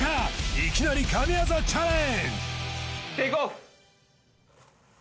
いきなり神業チャレンジ